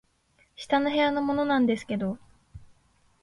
「下の部屋のものなんですけど」